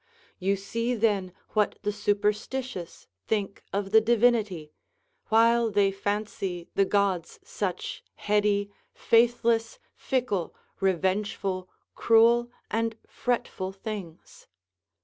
You see then what the superstitious think of the divinity, while they fancy the Gods such heady, faithless, fickle, revengeful, cruel, and fretful things.